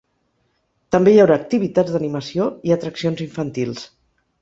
També hi haurà activitats d’animació i atraccions infantils.